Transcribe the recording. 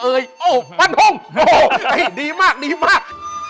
เอ่ยโอ้ปันห่งโอ้ดีมากดีมาก